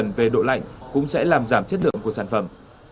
các trang mạng về độ lạnh cũng sẽ làm giảm chất lượng của sản phẩm